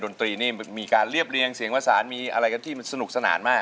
นตรีนี่มีการเรียบเรียงเสียงประสานมีอะไรกันที่มันสนุกสนานมาก